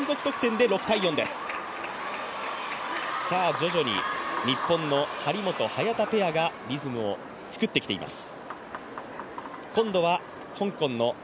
徐々に日本の張本・早田ペアがリズムを作ってきています。